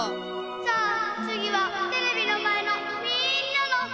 さあつぎはテレビのまえのみんなのばんじゃ。